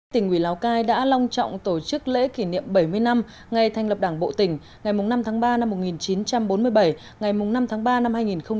tỉnh ủy lào cai đã long trọng tổ chức lễ kỷ niệm bảy mươi năm ngày thành lập đảng bộ tỉnh ngày năm tháng ba năm một nghìn chín trăm bốn mươi bảy ngày năm tháng ba năm hai nghìn hai mươi